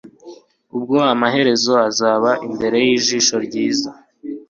ubwo amaherezo uzaba imbere yijisho ryiza